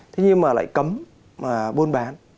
thế nhưng mà lại cấm mà buôn bán